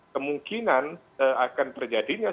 kemungkinan akan terjadinya